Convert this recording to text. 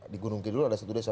di gunung kira dulu ada satu desa